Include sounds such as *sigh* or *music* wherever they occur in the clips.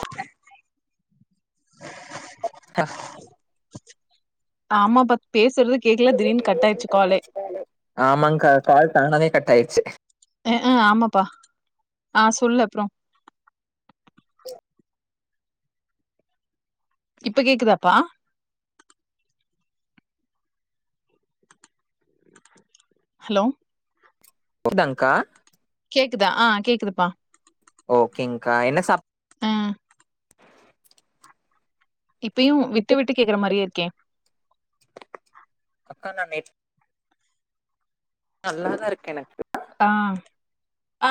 Okay hello ஆமா பா பேசுறது கேக்கல திடீனு கட்டாயிடுச்சு காலே ஆமாங்க கால் தானவே கட் ஆயிடுச்சு அஆ ஆமாப்பா ஆ சொல்லு அப்றொ இப்ப கேக்குதாப்பா ஹலோ போதாங்கா கேக்குதா ஆ கேக்குதுப்பா ஓகேங்கா என்ன சாப் ம் இப்பயு விட்டு விட்டு கேக்குற மாரியே இருக்கே அக்கா நா நே நல்லாதா இருக்கு எனக்கு ஆ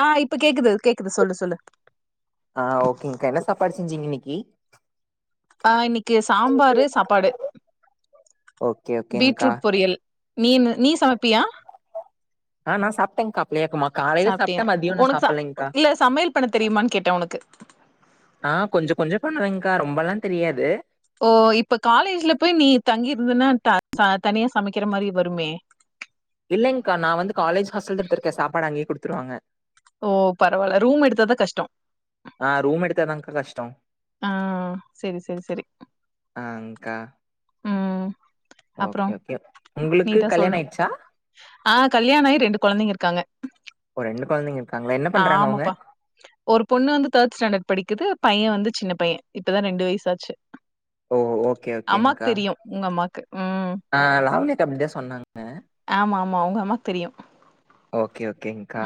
ஆ இப்ப கேக்குது கேக்குது சொல்லு சொல்லு ஆ ஓகேங்கா என்ன சாப்பாடு செஞ்சீங்க இன்னைக்கி ஆ இன்னைக்கு சாம்பாரு சாப்பாடு ஓகே ஓகேங்கா பீட்ரூட் பொரியல் நீ என்ன நீ சமப்பியா ஆ நா சாப்டேங்கா அப்பலே காலேல சாப்டே மதிய இன்னு சாப்புலைங்கா சமயல் பண்ண தெரியுமான்னு கேட்டே உனக்கு ஆ கொஞ்ச கொஞ்ச பண்ணுவேங்கா ரொம்பெல்லா தெரியாது ஓ இப்ப காலேஜ்ல போய் நீ தங்கிருந்தென்னா தனியா சமைக்கிற மாரி வருமே இல்லேங்கா நா வந்து காலேஜ் ஹாஸ்டல்லப்பருக்கே சாப்பாடு அங்கே குடுத்துருவாங்க ஓ பரவால்ல ரூம் எடுத்தாதா கஷ்டம் ஆ ரூம் எடுத்தாதாங்க கஷ்டம் ம் சேரி சேரி சேரி ஆங்க்கா ம் ஓகே அப்றம் ஓகே உங்களுக்கு நீதா கல்யாணம் சொல்லணு ஆயிடுச்சா ஆ கல்யாணாகி ரெண்டு கொழந்தைங்க இருக்காங்க ஓ ரெண்டு கொழந்தைங்க இருக் ஆமாப்பா ஒரு பொண்ணு வந்து தேர்ட் ஸ்டாண்டர்ட் படிக்குது பைய வந்து சின்ன பைய இப்பதா ரெண்டு வயசாச்சு ஓ ஓகே அம்மாக்கு ஓகேங்கக்கா தெரியு உங்க அம்மாக்கு ம் ஆ லாவன்யா அக்கா அப்டிதா சொன்னாங்க ஆமா ஆமா உங்க அம்மாக்கு தெரியு ஓகே ஓகேங்க்கா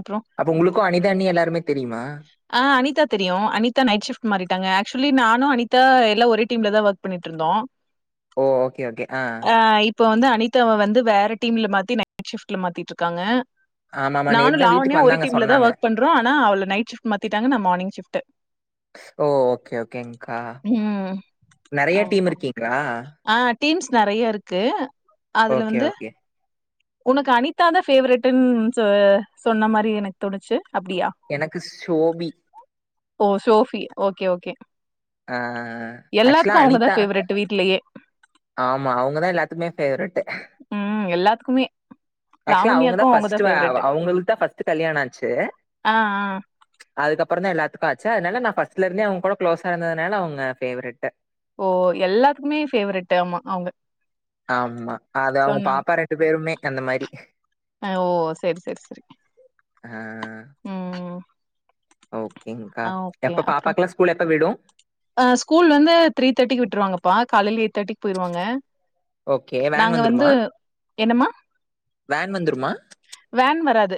அப்றோ அப்ப உங்களுக்கு அனிதாண்ணி எல்லாருமே தெரியுமா ஆ அனித்தா தெரியு அனித்தா நைட் ஷிஃப்ட் மாறிட்டாங்க ஆக்சுவலி நானு அனிதா எல்லா ஒரே டீம்ல தா வொர்க் பண்ணிட்ருந்தோ ஓ ஓகே ஓகே ஆ ஆ இப்ப வந்து அனித்தாவ வந்து வேற டீம்ல மாத்தி நைட் ஷிஃப்ட்ல மாத்திட்ருக்காங்க ஆமாமா நானு நேத்துதா லாவன்யா வீட்டுக்கு ஒரு வந்தாங்க டீம்ல தா சொன்னாங்க. வொர்க் பண்றோ ஆனா அவள நைட் ஷிஃப்ட் மாத்திட்டாங்க நா மார்னிங் ஷிஃப்ட்டு ஓ ஓகே ஓகேங்க்கா ம் நெறையா டீம் ஆமாப்பா இருக்கீங்ளா ஆ டீம்ஸ் நெறையா இருக்கு அதுல ஓகே வந்து ஓகே உனக்கு அனித்தா தா ஃபேவரட்டுன் சொ சொன்ன மாரி எனக்கு தோணுச்சு அப்டியா எனக்கு ஷோபி ஓ ஷோஃபி ஓகே ஓகே ஆ ஆக்சுவலா அனித்தா டு வீட்லயே ஆமா அவ்ங்கதா எல்லாத்துக்குமே ஃபேவரெட்டு ம் எல்லாத்துக்குமே ஆக்சுவலா அவ்ங்க தா லாவண்யாக்கும் அவங்கதான் ஃபஸ்ட்டு வாவ் ஃபேவரெட் அவ்ங்களுக்கு தா ஃபஸ்ட்டு கல்யாண ஆச்சு ஆ ஆ அதுக்கப்பறந்தா எல்லாத்துக்கு ஆச்சு அதனால நா ஃபஸ்ட்ல இருந்தே அவ்ங்க கூட க்ளோஸா இருந்ததுனால அவ்ங்க ஃபேவரெட்டு ஓ எல்லாத்துக்குமே ஃபேவரெட்டு ஆமா அவ்ங்க ஆமா அது அவ்ங்க பாப்பா ரெண்டு பேருமே அந்த மாரி அ ஓ செரி செரி செரி ஆ ம் ஓகேங்க்கா ஆ ஓகே எப்ப அப்புறம் பாப்பாக்குலா ஸ்கூல் எப்ப விடு ஸ்கூல் வந்து த்ரீ தேர்டிக்கு விட்ருவாங்கப்பா காலைல எயிட் தேர்ட்டிக்கு போய்ருவாங்க ஓகே வேன் நாங்க வந்துருமா வந்து என்னம்மா வேன் வந்துருமா வேன் வராது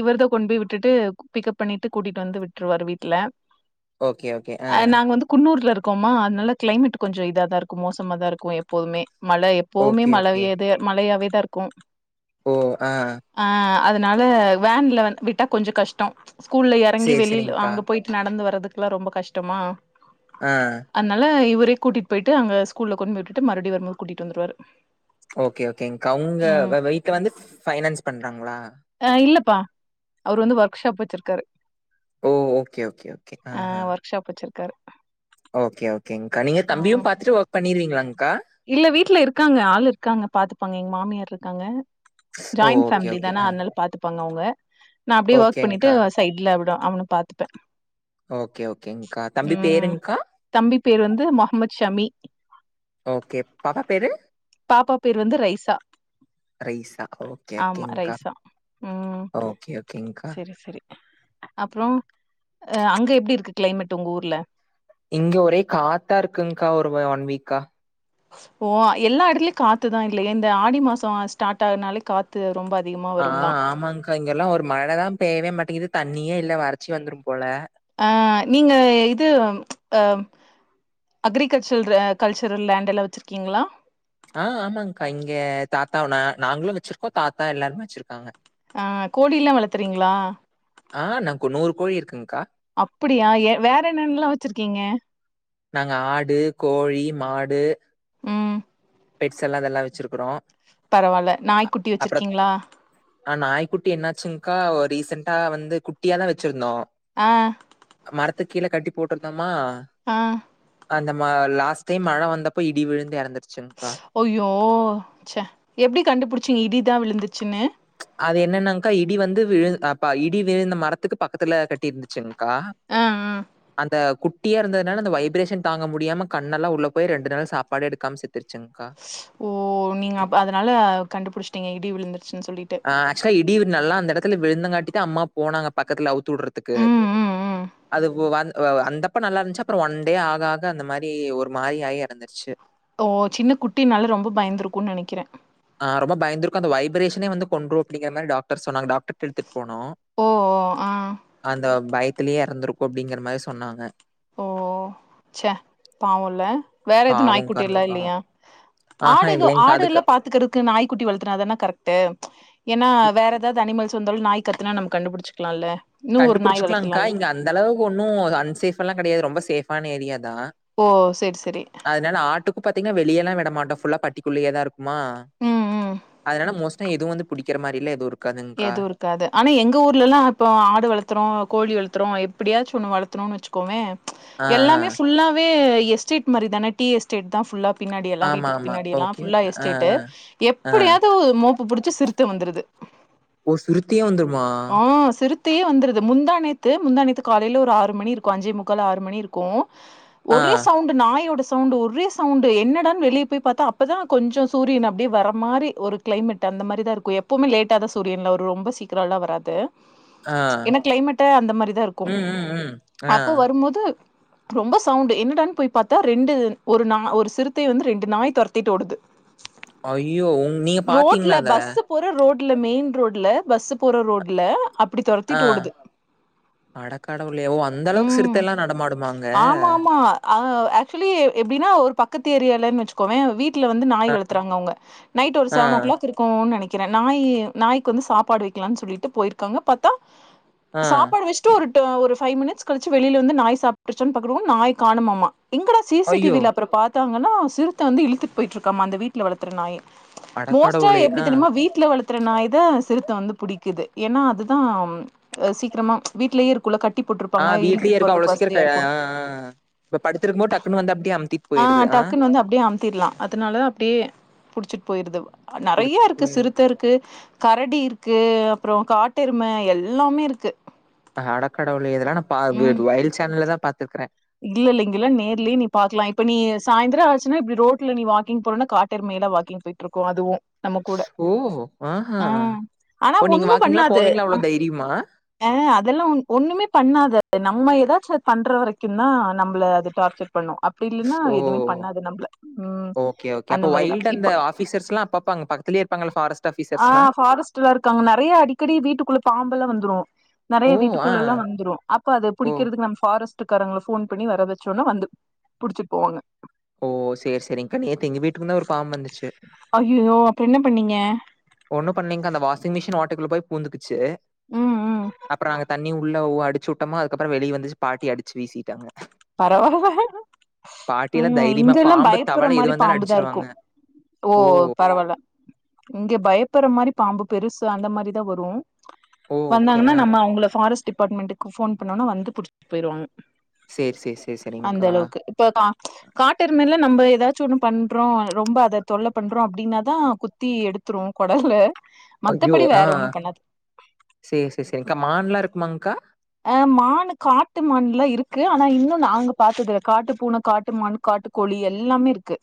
இவர்தா கொண்டு போய் விட்டுட்டு பிக்கப் பண்ணிட்டு கூட்டிட்டு வந்து விட்ருவாரு வீட்ல ஓகே ஓகே ஆ அ நாங்க வந்து குன்னூர்ல இருக்கோமா அதுனால கிளைமேட்டு கொஞ்ச இதா தா இருக்கு மோசமா தா இருக்கு எப்போதுமே மழ எப் ப்போவுமே ஓகே ஓகே மழயது மழையாவேதா இருக்கு ஓ ஆ ஆ அதுனால வேன்ல வந் விட்டா கொஞ்ச கஷ்ட ஸ்கூல்ல எறங்கி சேரி வெளில சேரிங்க்கா அங்க போயி நடந்து வரதுக்குலா ரொம்ப கஷ்டமா ஆ அதனால இவரே கூட்டிட்டு போயிட்டு அங்க ஸ்கூல்ல கொண்டு போய் விட்டுட்டு மறுவடி வரும்போது கூட்டிட்டு வந்துருவாரு ஓகே ஓகேங்க்கா அவ்ங்க ம் வ வீட்ல வந்து ஃபைனான்ஸ் பண்றாங்ளா ஆ இல்லப்பா அவரு வந்து ஒர்க்ஷாப் வச்சிருக்காரு ஓ ஓகே ஓகே ஓகே ஆ ஆஹா ஒர்க்ஷாப் வச்சிருக்காரு ஓகே ஓகேங்க்கா நீங்க ஆ தம்பியு பாத்துட்டு ஒர்க் பண்ணிருவீங்ளாங்க்கா இல்ல வீட்ல இருக்காங்க ஆள் இருக்காங்க பாத்துப்பாங்க எங்க மாமியார் இருக்காங்க ஓ ஜாயின் ஓகே ஃபேம்லி ஓகே தான ஆ அதுனால பாத்துப்பாங்க அவுங்க நா அப்டியே ஒர்க் பண்ணிட்டு ஓகேங்க்கா சைட்ல எப்டு அவன பாத்துப்பே ஓகே ஓகேங்க்கா தம்பி ம் பேருங்க்கா தம்பி பேர் வந்து மொஹமத் ஷமி ஓகே பாப்பா பேரு பாப்பா பேர் வந்து ரைஸா ரைசா ஓகே ஆமா ஓகேங்க்கா ரைஸா ம் ஓகே ஓகேங்க்கா செரி செரி அப்றோ அ அங்க எப்டி இருக்கு க்ளைமெட் உங்க ஊர்ல இங்க ஒரே காத்தா இருக்குங்க்கா ஒரு வ ஒன் வீக்கா ஓ எல்லா எடத்துலயு காத்துதா இல்லியா இந்த ஆடி மாசோ ஸ்டாட் ஆகுனாலே காத்து ரொம்ப அதிகமா ஆ வருந்தா ஆமாங்க்கா இங்கெல்லா ஒரு மழ தா பேய்வே மாட்டிங்குது தண்ணியே இல்ல வறட்சி வந்துரு போல ஆ நீங்க இது அ அக்ரிகல்ச்சர் ரே கல்ச்சரு லேண்ட் எல்லா வெச்சிருக்கீங்ளா ஆ ஆமாங்க்கா இங்க தாத்தா நா நாங்களு வெச்சிருக்கோ தாத்தா எல்லாருமே வெச்சிருக்காங்க ஆ கோழில்லா வளத்துறீங்ளா ஆ நம்க்கு நூறு கோழி இருக்குங்க்கா அப்புடியா எ வேற என்னென்ல்லா வெச்சிருக்கீங்க நாங்க ஆடு, கோழி, மாடு ம் பெட்ஸ் எல்லா இதெல்லா வெச்சிருக்கறோ பரவால்ல நாய்க்குட்டி வெச்சிருக்கீங்ளா ஆ நாய்க்குட்டி என்னாச்சுங்க்கா ஒ ரீசெண்ட்டா வந்து குட்டியா தா வெச்சிருந்தோ ஆ மரத்துக்கீழ கட்டி போட்ருந்தமா ஆ அந்த ம லாஸ்ட் டைம் மழ வந்தப்போ இடி விழுந்து எறந்துருச்சுங் ஐயோ சே எப்டி கண்டுபுடிச்சீங்க இடி தா விழுந்துச்சுன்னு அது என்னன்னாங்க்கா இடி வந்து விழு அ ப இடி விழுந்த மரத்துக்கு பக்கத்துல கட்டிருந்துச்சுங் க்கா ஆ ஆ அந்த குட் டியா இருந்ததுனால அந்த வைப்ரேஷன் தாங்க முடியாம கண்ணெல்லா உள்ள போய் ரெண்டு நாளா சாப்பாடு எடுக்காம செத்துருச்சுங்க்கா ஓ நீங்க அப் அதுனால கண்டுபுடிச்ட்டீங்க இடி விழுந்துருச்சுன் சொல்லி ஆ ஆக்சுலா இடி வ் நல்லா அந்த எடத்துல விழுந்தங்காட்டித்தா அம்மா போனாங்க பக்கத்துல அவுத்து உட்றத்துக்கு ம் ம் ம் அது உ வந் அ வந்தப்ப நல்லாருந்ச்சு அப்றோ ஒன் டே ஆக ஆக அந்த மாரி ஒரு மாரி ஆயி எற ந்திருச்சு ஓ சின்ன குட்டின்னால ரொம்ப பயந்துருக்குன் நெனைக்கிறே ஆ ரொம்ப பயந்துருக்கு அந்த வைப்ரேஷனே வந்து கொன்று அப்டிங்கற மாரி டாக்டர் சொன்னாங்க டாக்டர்ட்ட எடுத்துட் போனோ ஓ ஓ ஆ அந்த பயத்துலயே எறந்திருக்கு அப்டிங்கற மாரி சொன்னாங்க ஓ சே பாவோல்ல வேற எது பாவம்க்கா, நாய்க்குட்டி ரொம்ப எல்லா கடவுளே! இல்லியா பாவம். ஆஹா ஆடுக இல்லைங்க்கா. ஆடு அதுக்கு எல்லா பாத்துக்கிற க்கு நாய் குட்டி வளத்துனா தான கரெக்ட்டு ஏனா இ வேற எதாவ்து அனிமல்ஸ் வந்தாலு நாய் கத்துனா நம்ம கண்டுபுடிச்சிக்லால்ல இன்னு ஒரு நாய் வளத்துலால்ல அந்தளவுக்கு ஒன்னு அன்சேஃப் எல்லா கெடையாது ரொம்ப சேஃபான ஏரியா தா ஓ சேர் செரி அதுனால ஆட்டுக்கு பாத்தீங்னா வெளியெல்லா விட மாட்டோ ஃபுல்லா பட்டிக்குள்ளயே தா இருக்குமா ம் ம் அதுனால மோஸ் டா எது வந்து புடிக்கற மாரில்லா எது இரு ஏதோருக் காது ஆனா எங்க ஊர்லலா இப்போ ஆடு வளத்துறோ கோழி வளத்துறோ எப்படியாச்சு ஒன்னு வளத்துணுன்னு வச்சுக் கோமே ஆ, ஆ. எல்லாமே ஃபுல்லாவே எஸ்டேட் மாரி தானே டி எஸ்டேட் தா ஃபுல்லா பின்னாடியெல்லா ஆமா, வீட்டுக்கு ஆமா. பின்னாடியெல்லா ஓகே, ஃபுல்லா ஓகே. ஆ, எஸ்டேட்டு ஆ, ஆ. எப்படியாது மோப்ப புடிச்சு சிருத்த வந்துருது ஓ! சுருட்டியே வந்துருமா? ஆ சிருத் தே வந்துருது முந்தாநேத்து முந்தாநேத்து காலையில ஒரு ஆறு மணி இருக்கு அஞ்சே முக்கால் ஆறு மணி இருக்கு ஆ, ஒரே சவுண்ட் நாயோட சவுண்ட் ஒரே சவுண்ட் என்னடா வெளியே போய் பாத்த அப்பதா கொஞ்சோ சூரியன் அப்படியே வர மாரி ஒரு கிளைமேட் அந்த மாரி தா இருக்கு எப்பவுமே லேட்டா தா சூரியன் வரும் ரொம்ப சீக்கிரம்லா வராது ஆ. ஏன்னா கிளைமேட்டு அந்த மாரிதா இருக்கு ம், ம், ம். ஆ. அப்போ வரும்போது ரொம்ப சவுண்டு என்னடான்னு போய் பாத்தா ரெண்டு ஒரு நாய் ஒரு சிறுத்தைய வந்து ரெண்டு நாய் தொரத்திட்டு ஓடுது அய்யோ உ நீங்க ரோட்ல பாத்தீங்களா அத பஸ்ஸு போற ரோட்ல மெயின் ரோட்ல பஸ் போற ரோட்ல அப்பிடி தொரத்திட்டு ஓடுது அடக்கடவுளே ஓ அந்த அளவுக்கு ம் சிறுத்தையெல்லா நடமாடுமா அங்க ஆ ஆக்சுவலி எப்படின்னா ஒரு பக்கத்து ஏரியாலன்னு வச்சுக்கோவே வீட் ட்ல வந்து அ, நாய் வளத்துறாங்க அவுங்க நைட் ஒரு ஆ, செவன் ஓ கிளாக் இருக்குன்னு நெனைக்கிறே நாய் நாய்க்கு வந்து சாப்பாடு வைக்கலான்னு சொல்லிட்டு போயிருக்காங்க பாத்தா ஆ. சாப்பாடு வெச்சு ட்ரு ஒர் ஒரு ஃபை மினிட்ஸ் கழிச்சு வெளியில வந்து நாய் சாப்டிடுச்சானு பாக்கறதுகுல்ல நாய் காணோம்மாம்மா எங்கடா ஐயோ! சிசிடிவியில அப்புறோ பாத்தாங்கன்னா சிறுத்த வந்து இழுத்துட்டு போயிருக்காம அந்த வீட் ல வளத்துற நாய் அட மோஸ்டா கடவுளே! எப்படி ஆ. தெரியுமா வீட்ல வளத்தற நாய் தா சிறுத்த வந்து புடிக்கிது ஏன்னா அதுதா சீக்கிரமா வீட்லயே இருக்குள்ள கட் டி ஆ போட்ருப்பாங்க இழுத்து வீட்லயே இருக்கும் அவ்ளோ போறதுக்கு சீக்கிரம் க வசதியா ஆ இருக்குன்னு ஆ ஆ இப்ப படுத்திருக்கும்போது டக்குன்னு வந்து அப்டியே அமுத்திட்டு ஆ போயிருது டக்குன்னு வந்து அப்டியே அமுத்திடலா அதனால அப்டியே புடிச்சிட்டு போயிருது புடிச்சிட்டு நறையாருக்கு போயிருது சிறுத்தருக் கு கரடியிருக்கு அப்புறோ காட்டெரும எல்லாமே இருக்கு அடக்கடவுள இதெல்லா நா பா வொய்ட் சேனல்லதா பாத்துருக்குறே இல்லெல்ல இங்கேல்லா நேர்லய நீ பாக்கலா இப்ப நீ சாயந்தரோ ஆச்சுன்னா இப்டி ரோட்ல நீ வாக்கிங் போறனா காட்டெருமலா வாக்கிங் போயிட் ட்ருக்கு அதுவு நம்ம கூட ஓ ஆஹா ஆ ஆனா ஓ நீங்க ஒண்ணு வாக்கிங்லா பண்ணாது போவீங்களா அவ்ளோ அம் தைரியமா ஆ அதெல்லா ஒண்ணுமே பண்ணாது நம்ம ஏதாச்சு பண்ற வரைக்கு கியு தா நம்மள அது டார்ச்சர் பண்ணு அப்படி இல்லன்னா ஓ எதுவுமே பண்ணாது நம்மள ம் அந்த மாதிரிதா இப்ப பீசர்ஸ்லா அப்பப்ப அங்க பார் க்கத்துலே இருப்பங்கள ஃபாரஸ்ட் ஆஃபீஸ் ஆ ஃபாரஸ்ட்ல்லா இருக்காங்க நறைய அடிக்கடி வீட்டுக்குள்ள பாம்பெல்லா வந்துரு நறைய ஓ ஆ வீட்டுக்குள்ளெல்லா வந்துரு அப்ப அது ஓ புடிக்கறக்கு நம்ம ஃபாரஸ்ட் ட்டு காரங்கள ஃபோன் பண்ணி வரவச்சோன்னா வந்து புடிச்சிட்டு போவாங்க ஓ செரி செரிங்க நேத்து எங்க வீட்டுக்குள்ள ஒரு பாம்பு வந்துச்சு அய்யயோ அப்புறோ என்ன பண்ணீங்க ஒண்ணு பண்ணீங்கா அந்த வாஷிங் மிஷின் ஓட்டைக்குள்ள போய் பூந்துக்குச்சு ம் ம் அப்புறோ நாங்க தண்ணி உள்ள *unintelligible* அடிச்சுட்டமா அதுக்கப்புறோ வெளிய வந்துச்சு பாட்டி அடிச்சு வீசிட்டாங்க பரவால்ல பாட்டிலா ம் தைரியமா இங்கெல்லா பாம்பு, பயப்புர்ற தவளை எது மாரி வந்தாலும் பாம்புதா இருக்கு அடிச்சுருவாங்க. ஓ பரவால்ல இங்க பயப்புர்ற மாரி பாம்பு பெருசு அந்த மாரிதா வரு ஓ! ஓகே. வந்தாங்கனா ஆ. நம்ம அவங்கள ஃபாரஸ்ட் டிபார்ட்மெண்ட்டுக்கு ஃபோன் பண்ணோன்னா வந்து புடிச்சுட்டு போயிருவாங்க சேர் சேர் சேர செரிங்க்கா சேர்ப்பா காட்டெறும மேல நம்ம ஏதாச்சும் ஒண்ணு பண்றோம் ரொம்ப அத தொல்ல பண்றோம் அப்டின்னாதான் குத் தீ எடுத்துரும் கொடல்ல அய்யோ மத்தபடி ஆ வேற ஒண்ணு பண்ணாது சேர் சேர் சேரிக்கா மான்லாம் இருக்குமாக்கா ஆ மான் காட்டு மான்ல்லா இருக்கு ஆனா இன்னும் நாங்க பாத்ததில்ல காட்டு பூன காட்டு மான் காட்டு புலி எல்லாமே இருக்கு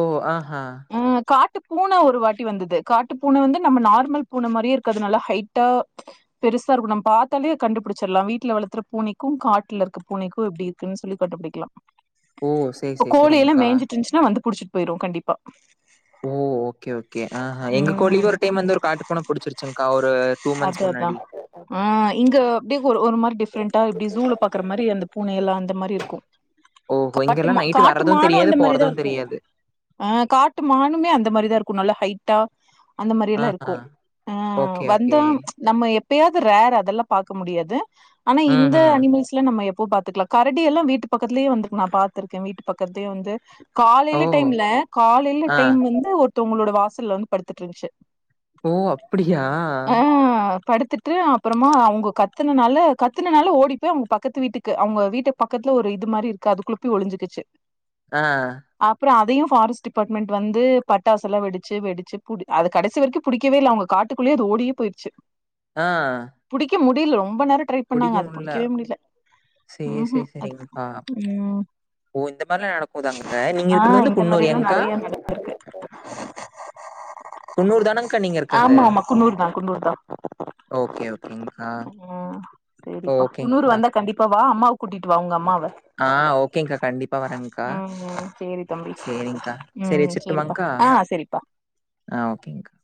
ஓ ஆஹா ஆ காட்டு பூன ஒரு வாட்டி வந்தது காட்டு பூன வந்து நம்ம நார்மல் பூன மாரியே இருக்காது நல்லா ஹைட்டா பெருசா இருக்கும் நம்ம பாத்தாலே கண்டுபுடிச்சிடலாம் வீட்ல வளர்த்துற பூனைக்கும் காட்ல இருக்குற பூனைக்கும் எப்டி இருக்குன்னு சொல்லி கண்டு புடிக்கலாம் ஓ! சரி, இப்ப சரி, கோழி எல்லாம் சரிங்க்கா. மேய்ஞ்சிட்டு இருந்துச்சுன்னா வந்து புடிச்சிட்டு போய்ரும் கண்டிப்பா ஓ ஓகே ஓகே ஆஹா எங்க கோழியவே ம் ஒரு டைம் வந்து ஒரு காட்டு பூன புடிச்சிருச்சுங்கா ஒரு டூ மாந்த்ஸ் அது அதா முன்னாடி ஆ இங்க அப்டியே ஒரு ஒரு மாரி டிஃப்ரெண்டா இப்டி சூல பாக்கற மாரி அந்த பூனையெல்லாம் அந்த மாரி இருக்கும் ஓஹோ! காட்டுமா இங்கலாம் நைட் வர்றதும் காட்டுமானும் தெரியாது, அந்த மேரியேதான் போறதும் இருக்கும் தெரியாது. ஆ காட்டு மானுமே அந்த மாரிதான் இருக்கும் நல்லா ஹைட்டா அந்த மாரி எல்லாம் ஆஹா. இருக்கும் ஆ ஓகே, ஓகே. வந்தோ நம்ம எப்பயாது ரேர் அதெல்லாம் பார்க்க முடியாது ஆனா இந்த ம்ஹ்ம். அனிமல்ஸ் என்னம்மா எப்போ பாத்துக்கலாம் கரடி எல்லாம் வீட்டு பக்கத்துலேயே வந்துருக்கு நான் பாத்துருக்கேன் வீட்டு பக்கத்லயே வந்து ஓ! காலையில டைம்ல காலையில ஆ. டைம் வந்து ஒருத்தவங்களோட வாசல்ல வந்து படுத்துட்டு இருந்துச்சு ஓ அப்டியா ஆ படுத்துட்டு அப்புறமா அவு கத்துனனால கத்துனனால ஓடிப்போய் அவுங்க பக்கத்து வீட்டுக்கு அவங்க வீட்டு பக்கத்துல ஒரு இது மாரி இருக்கு அதுக்குள்ள போய் ஒழிஞ்சுக்குச்சு ஆ அப்றோ அதையும் ஃபாரஸ்ட் டிபார்ட்மெண்ட் வந்து பட்டாசுலாம் வெடிச்சு வெடிச்சு புடி அத கடசி வரைக்கும் புடிக்கவே இல்ல அவுங்க காட்டுக்குள்ளே அது ஓடியே போய்டுச்சு ஆ புடிக்க முடல ரொம்ப நேரம் ட்ரை புடிக்க பண்ணாங்க அத முடில. புடிக்கவே முடியல சரி, சரி, உஹும் அது சரிங்க்கா. ம் ஓ இந்த மாரிலாம் நடக்குதா அங்க நீங்க இருக்கிறது வந்து குன்னூர் ஏன்க்கா இருக்கு குன்னூர் தானங்கா நீங்க இருக்கிறது? ஆமா ஆமா குன்னூர் தா குன்னூர் தா ஓகே, ஓகேங்க்கா. ம் சேரிப்பா குன்னூர் ஓகேங்க்கா. வந்தா கண்டிப்பா வா அம்மாவ கூட்டிட்டு வா உங்க அம்மாவ ஆ ஓகேங்க்கா. கண்டிப்பா வரேங்க்கா. ம் ம் சேரி தம்பி சரிங்க்கா. சரி ம் சேரிப்பா வச்சுரட்டுமாங்க்கா? ஆ சேரிப்பா ஆ ஓகேங்க்கா